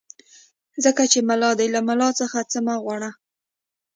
ځکه چې ملا دی له ملا څخه څه مه غواړه.